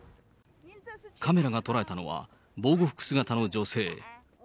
カメラが捉えたのは、防護服姿の女性。